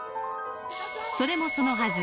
それもそのはず